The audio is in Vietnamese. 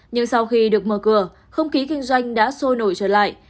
nhưng sau khi được mở cửa không khí kinh doanh đã sôi nổi trở lại